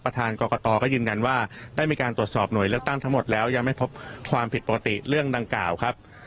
กรกตก็ยืนยันว่าได้มีการตรวจสอบหน่วยเลือกตั้งทั้งหมดแล้วยังไม่พบความผิดปกติเรื่องดังกล่าวครับ